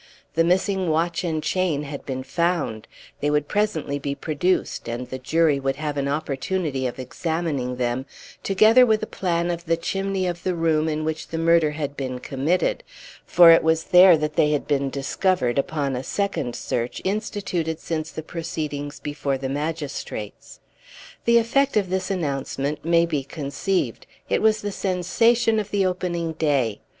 The missing watch and chain had been found; they would presently be produced, and the jury would have an opportunity of examining them, together with a plan of the chimney of the room in which the murder had been committed; for it was there that they had been discovered upon a second search instituted since the proceedings before the magistrates. The effect of this announcement may be conceived; it was the sensation of the opening day.